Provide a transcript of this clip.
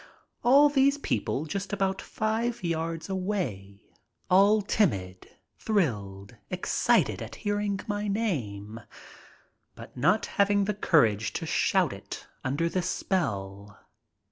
All these people just about five yards away, all timid, thrilled, excited at hearing my name, but not having the courage to shout it under this spell.